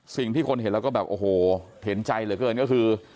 สิ่งที่คนเห็นแล้วก็แบบโอ้โหเห็นใจเหลือเกินก็คือ